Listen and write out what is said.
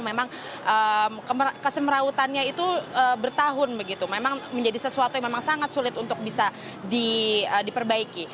memang kesemrawutannya itu bertahun memang menjadi sesuatu yang sangat sulit untuk bisa diperbaiki